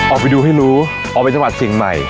ออกไปดูให้รู้ออกไปสมัครเสียงใหม่